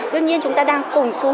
tuy nhiên chúng ta đang cùng xu hướng